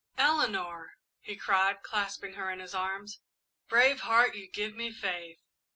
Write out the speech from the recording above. "Eleanor!" he cried, clasping her in his arms. "Brave heart, you give me faith!